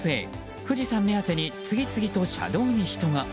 富士山目当てに次々と車道に人が。